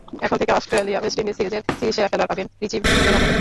এখন থেকে Australia-West Indies সিরিজের সিরিজ সেরা খেলোয়াড় পাবেন রিচি বেনো পদক।